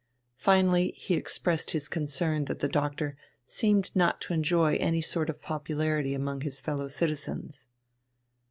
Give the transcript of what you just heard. Finally he expressed his concern that the doctor seemed not to enjoy any sort of popularity among his fellow citizens.